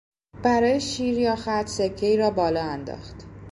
برای شیر یا خط سکهای را بالا انداخت.